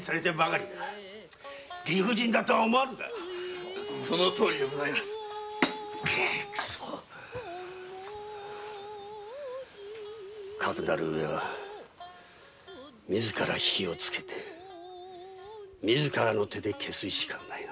理不尽とは思わんかかくなる上は自ら火を付けて自らの手で消すしかない。